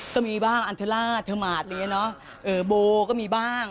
ก็มีบ้างอันทราธมาศบู๊ก็มีบ้าง